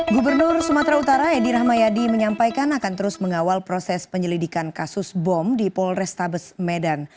gubernur sumatera utara edi rahmayadi menyampaikan akan terus mengawal proses penyelidikan kasus bom di polrestabes medan